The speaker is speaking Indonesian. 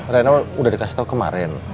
renold udah dikasih tau kemarin